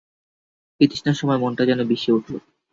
বিতৃষ্ণায় সমস্ত মনটা যেন বিষিয়ে উঠল।